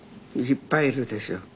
いっぱいいるでしょ。